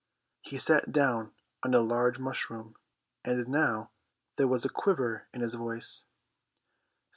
He sat down on a large mushroom, and now there was a quiver in his voice.